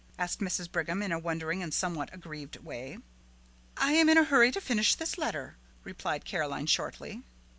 asked Mrs. Brigham in a wondering and somewhat aggrieved way. "I am in a hurry to finish this letter," replied Caroline shortly.